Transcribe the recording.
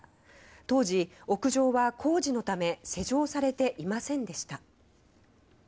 当時、屋上は工事のため施錠されていませんでした。